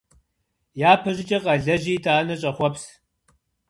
Япэщӏыкӏэ къэлэжьи, итӏанэ щӏэхъуэпс.